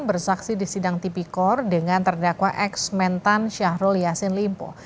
bersaksi di sidang tipikor dengan terdakwa ex mentan syahrul yassin limpo